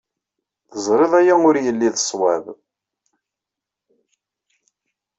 Teẓrid aya ur yelli d ṣṣwab.